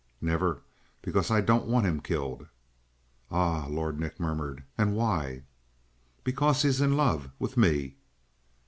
"Never. Because I don't want him killed." "Ah," Lord Nick murmured. "And why?" "Because he's in love with me."